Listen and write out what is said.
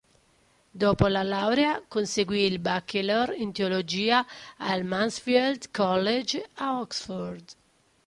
Dopo la laurea conseguì il bachelor in teologia al Mansfield College a Oxford.